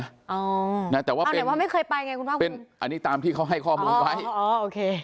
อ๋อเอาหน่อยว่าไม่เคยไปไงคุณพ่อคุณอันนี้ตามที่เขาให้ข้อมูลไว้อ๋อโอเค